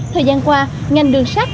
thời gian qua ngành đường sắt